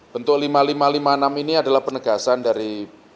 bentuk lima ribu lima ratus lima puluh enam ini adalah penegasan dari